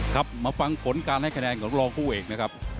ครับมาฟังผลการให้คะแนนของรองผู้เอกนะครับ